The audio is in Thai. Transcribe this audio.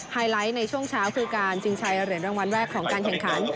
ไลท์ในช่วงเช้าคือการชิงชัยเหรียญรางวัลแรกของการแข่งขัน